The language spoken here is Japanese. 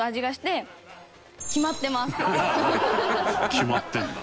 決まってるんだ。